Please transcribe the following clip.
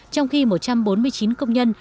trong khi một trăm bốn mươi chín công nhân